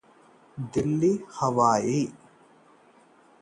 दिल्ली समेत उत्तर भारत में शीतलहर का कहर, सर्द हवाओं ने बढ़ाई ठंडक